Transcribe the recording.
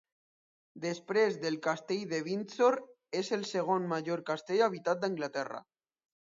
Després del Castell de Windsor, és el segon major castell habitat d'Anglaterra.